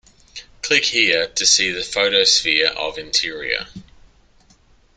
Click here to see the Photosphere of interior.